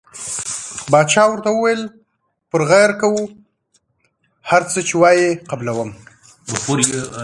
باچا ورته وویل پر غیر کوو هر څه چې وایې قبلووم.